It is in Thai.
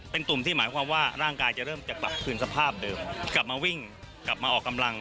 เป็นตุ่มที่หมายความว่าร่างกายจะเริ่มจะกลับคืนสภาพเดิมกลับมาวิ่งกลับมาออกกำลัง